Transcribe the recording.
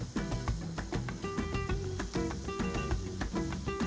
atas banyak meet fu viewers di local programming dan contoh